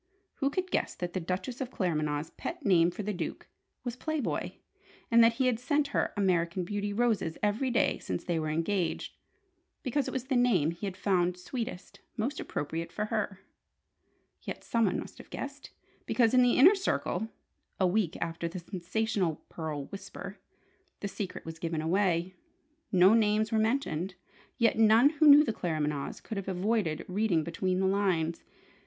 Who could guess that the Duchess of Claremanagh's pet name for the Duke was "Play Boy," and that he had sent her "American Beauty" roses every day since they were engaged, because it was the name he had found sweetest, most appropriate for her? Yet, someone must have guessed: because in the Inner Circle (a week after the sensational pearl "Whisper") the secret was given away. No names were mentioned: yet none who knew the Claremanaghs could have avoided reading between the lines.